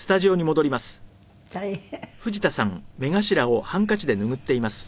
大変。